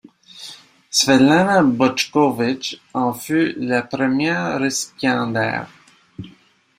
Svetlana Bojković en fut la première récipiendaire.